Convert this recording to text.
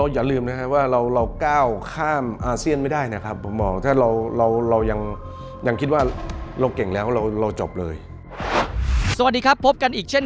คำว่าก้าวข้ามอาเซียนเราต้องชนะให้หมด